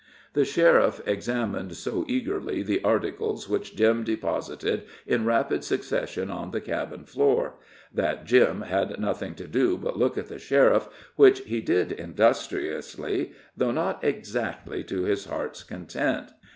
The sheriff examined so eagerly the articles which Jim deposited in rapid succession on the cabin floor, that Jim had nothing to do but look at the sheriff, which he did industriously, though not exactly to his heart's content.